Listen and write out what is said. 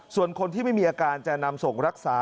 ส่วนคนที่ไม่มีอาการจะนำส่งรักษา